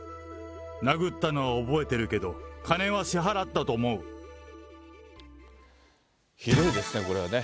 殴ったのは覚えてるけど、ひどいですね、これはね。